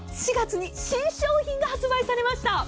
４月に新商品が発売されました。